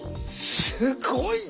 すごいな！